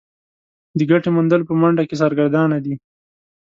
د ګټې موندلو په منډه کې سرګردانه دي.